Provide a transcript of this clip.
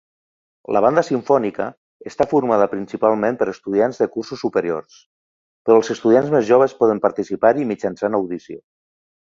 La Banda Simfònica està formada principalment per estudiants de cursos superiors, però els estudiants més joves poden participar-hi mitjançant audició.